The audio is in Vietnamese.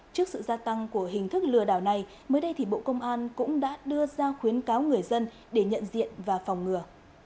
trước sự gia tăng của hình thức lừa đảo này mới đây thì bộ công an cũng đã đưa ra khuyến cáo người dân để nhận diện và phòng ngừa